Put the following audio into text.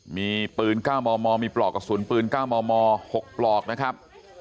มีปืน๙มมมีปลอกกระสุนปืน๙มม๖ปลอกนะครับ